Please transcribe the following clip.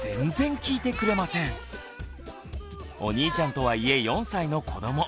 お兄ちゃんとはいえ４歳の子ども。